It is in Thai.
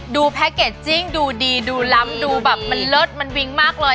แพ็คเกจจิ้งดูดีดูล้ำดูแบบมันเลิศมันวิ้งมากเลย